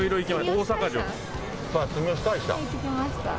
大阪城。